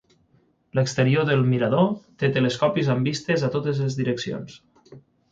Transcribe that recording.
L'exterior del mirador té telescopis amb vistes a totes les direccions.